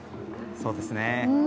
そうですね。